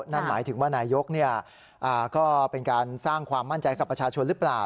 นั่นหมายถึงว่านายกก็เป็นการสร้างความมั่นใจกับประชาชนหรือเปล่า